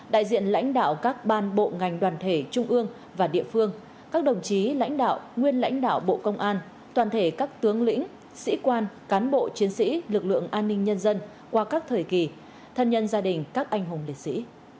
đại diện lãnh đạo các ban bộ ngành đoàn thể trung ương và địa phương các đồng chí lãnh đạo nguyên lãnh đạo bộ công an toàn thể các tướng lĩnh sĩ quan cán bộ chiến sĩ lực lượng an ninh nhân dân qua các thời kỳ thân nhân gia đình các anh hùng liệt sĩ